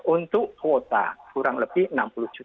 untuk kuota kurang lebih rp enam puluh